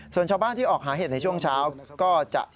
ส่วนชาวบ้านที่ออกหาเห็ดในช่วงเช้าก็จะ